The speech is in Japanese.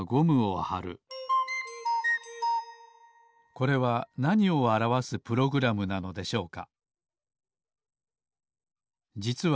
これはなにをあらわすプログラムなのでしょうか？